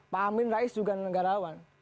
pak amin rais juga negarawan